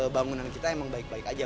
bangunan kita emang baik baik aja